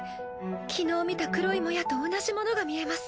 昨日見た黒いもやと同じものが見えます。